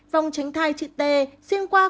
vòng tránh thai chữ t xuyên qua